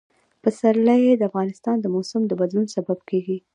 پسرلی د افغانستان د موسم د بدلون سبب کېږي.